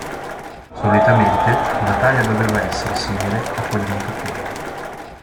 Solitamente la taglia doveva essere simile a quella di un capriolo.